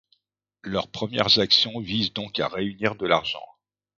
Leurs premières actions visent donc à réunir de l'argent.